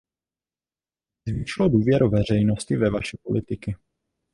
To by zvýšilo důvěru veřejnosti ve vaše politiky.